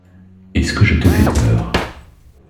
Est-ce que je te fais peur?